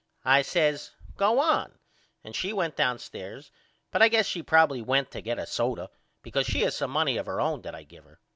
I says Go on and she went downstairs but I guess she probily went to get a soda because she has some money of her own that I give her.